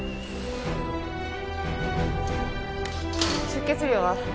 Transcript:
出血量は？